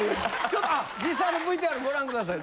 実際のＶＴＲご覧ください